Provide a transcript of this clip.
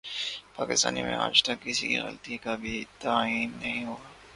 پاکستان میں آج تک کسی کی غلطی کا کبھی تعین نہیں ہوا